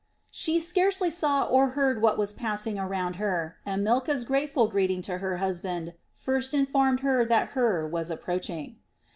She scarcely saw or heard what was passing around her, and Milcah's grateful greeting to her husband first informed her that Hur was approaching.